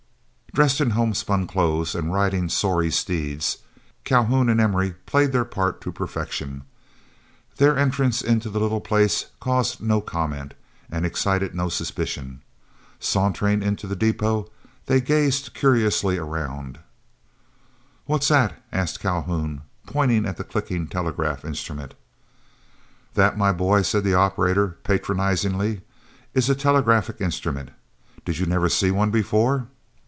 Dressed in homespun clothes, and riding sorry steeds, Calhoun and Emory played their part to perfection. Their entrance into the little place caused no comment, and excited no suspicion. Sauntering into the depot, they gazed curiously around. [Illustration: SAUNTERING INTO THE DEPOT THEY GAZED CURIOUSLY AROUND.] "What's that?" asked Calhoun, pointing at the clicking telegraph instrument. "That, my boy," said the operator, patronizingly, "is a telegraphic instrument. Did you never see one before?"